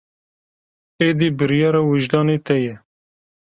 Êdî biryar a wijdanê te ye.